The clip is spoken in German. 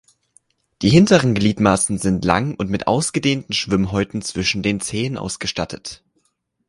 Die hinteren Gliedmaßen sind lang und mit ausgedehnten Schwimmhäuten zwischen den Zehen ausgestattet.